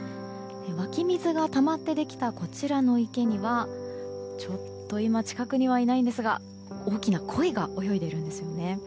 湧き水がたまってできたこちらの池にはちょっと今、近くにはいないんですが大きなコイが泳いでいるんですよね。